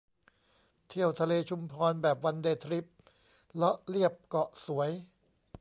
เที่ยวทะเลชุมพรแบบวันเดย์ทริป เลาะเลียบเกาะสวย